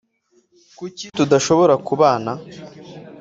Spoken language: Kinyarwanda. kuki tudashobora kubana?